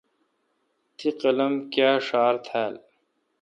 تی قلم کیا ڄھار تھال؟